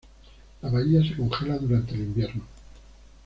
La bahía se congela durante el invierno.